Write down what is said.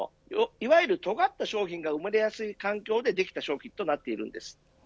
いわゆる尖った商品が生まれやすい環境でできた商品となっているんです。